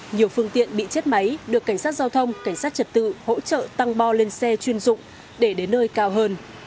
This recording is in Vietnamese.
nhiều phương tiện bị chết máy được cảnh sát giao thông cảnh sát trật tự hỗ trợ tăng bo lên xe chuyên dụng để đến nơi cao hơn